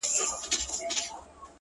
ستا د ميني په كورگي كي.!